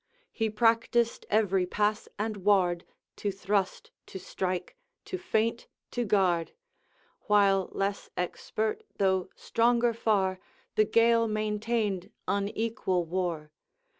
He practised every pass and ward, To thrust, to strike, to feint, to guard; While less expert, though stronger far, The Gael maintained unequal war.